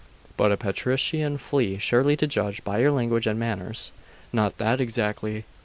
'But a patrician flea, surely, to judge by your language and manners?' 'Not that exactly.